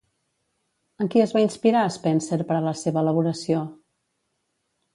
En qui es va inspirar Spenser per a la seva elaboració?